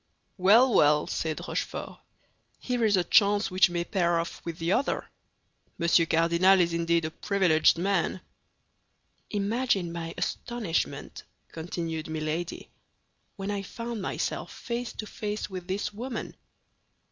"Well, well," said Rochefort, "here is a chance which may pair off with the other! Monsieur Cardinal is indeed a privileged man!" "Imagine my astonishment," continued Milady, "when I found myself face to face with this woman!"